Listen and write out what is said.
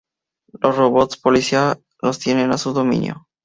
Los robots policía los tiene a su dominio.